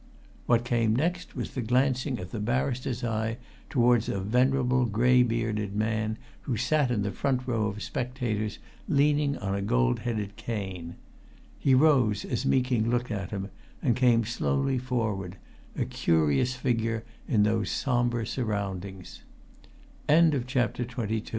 What came next was the glancing of the barrister's eye towards a venerable, grey bearded man who sat in the front row of spectators, leaning on a gold headed cane. He rose as Meeking looked at him, and came slowly forward a curious figure in those sombre surroundings. CHAPTER XXIII THE CONNECTING WALL From a certain amount of